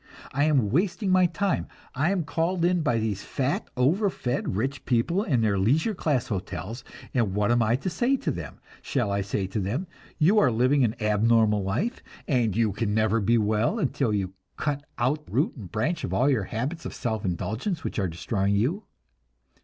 I am wasting my time. I am called in by these fat, over fed rich people in their leisure class hotels, and what am I to say to them? Shall I say to them, 'You are living an abnormal life, and you can never be well until you cut out root and branch all your habits of self indulgence which are destroying you?'